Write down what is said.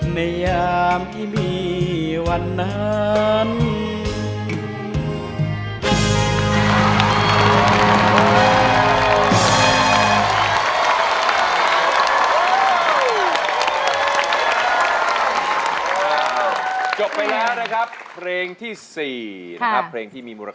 ยามที่มีวันนั้น